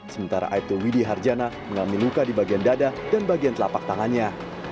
sementara aibtu widi harjana mengalami luka di bagian dada dan bagian telapak tangannya